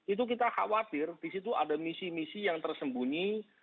itu kita khawatir di situ ada misi misi yang tersembunyi